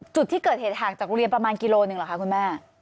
จุดที่เกิดเหตุห่างจากโรงเรียนประมาณกิโลหนึ่งเหรอคะคุณแม่